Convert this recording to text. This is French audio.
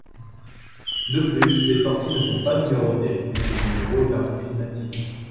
De plus, les sorties ne sont pas numérotées, donc le numéro est approximatif.